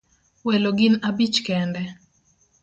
Welo gin abich kende